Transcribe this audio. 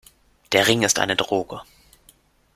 Der Ring ist eine Droge.